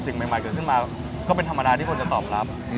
สิ่งใหม่เกิดขึ้นมาก็เป็นธรรมดาที่คนจะตอบรับ